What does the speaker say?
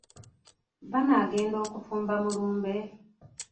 Baanagenda okufumba mu lumbe?